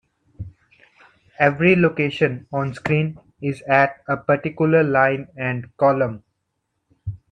Every location onscreen is at a particular line and column.